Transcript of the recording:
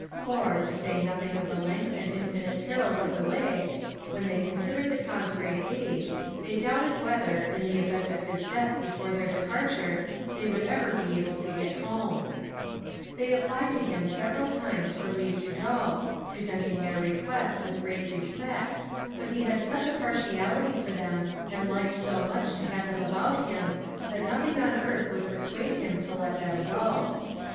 [For, to say nothing of the length and infinite perils of the way, when they considered the Kaan's great age, they doubted whether, in the event of his death before their departure, they would ever be able to get home.^] 32 MARCO POLO Prol. They applied to him several times for leave to go, presenting their request with great respect, but he had such a partiality for them, and liked so much to have them about him, that nothing on earth would persuade him to let them go.